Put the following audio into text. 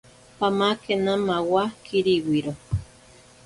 Pamakena mawa kiriwiro.